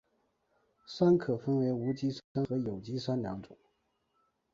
酸可分为无机酸和有机酸两种。